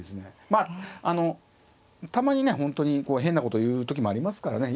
まああのたまにね本当に変なこと言う時もありますからね。